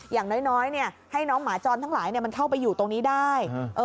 อย่างน้อยให้น้องหมาจรทั้งหลายมันเข้าไปอยู่ตรงนี้ได้